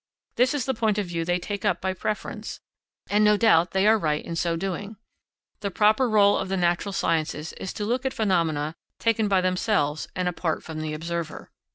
This is the point of view they take up by preference, and no doubt they are right in so doing. The proper rôle of the natural sciences is to look at phenomena taken by themselves and apart from the observer.